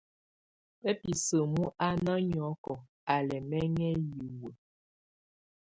Bab isǝ́mu á ná nyɔ́kɔ, á lɛ́ ɛmɛŋɛ hiwǝ́.